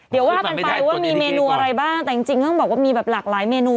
เดี๋ยวว่ากันไปว่ามีเมนูอะไรบ้างแต่จริงต้องบอกว่ามีแบบหลากหลายเมนู